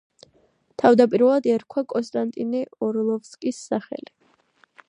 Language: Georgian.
თავდაპირველად ერქვა კონსტანტინე ორლოვსკის სახელი.